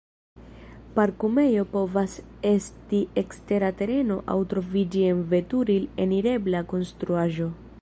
Parkumejo povas esti ekstera tereno aŭ troviĝi en veturil-enirebla konstruaĵo.